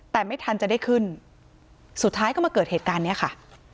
แต่ไม่ทันจะได้ขึ้นสุดท้ายก็มาเกิดเหตุการณ์เนี้ยค่ะ